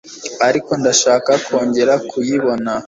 ariko ndashaka kongera kuyibona